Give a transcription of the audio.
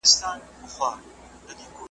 د لمر وړانګې د کوټې په غالي باندې لګېدې.